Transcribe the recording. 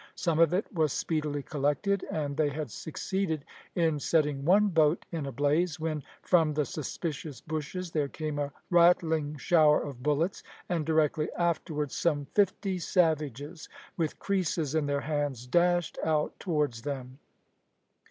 Some of it was speedily collected, and they had succeeded in setting one boat in a blaze when, from the suspicious bushes, there came a rattling shower of bullets, and directly afterwards some fifty savages, with creeses in their hands, dashed out towards them.